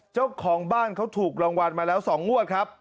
เจ้าของบ้านเขาถูกรางวัลมาแล้ว๒งวดครับ